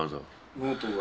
ノートが？